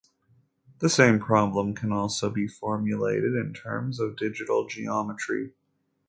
The same problem can also be formulated in terms of digital geometry.